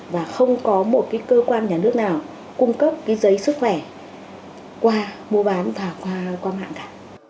và không có một cơ quan nhà nước nào cung cấp giấy sức khỏe qua mua bán hoặc qua mạng cả